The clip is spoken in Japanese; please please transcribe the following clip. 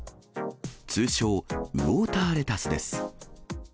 通称、ウオーターレタスです。